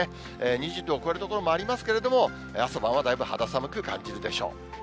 ２０度を超える所もありますけれども、朝晩はだいぶ肌寒く感じるでしょう。